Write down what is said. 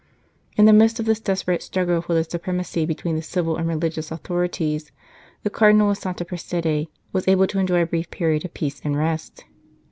In the midst of this desperate struggle for the supremacy between the civil and religious authori ties, the Cardinal of Santa Prassede was able to enjoy a brief period of peace and rest.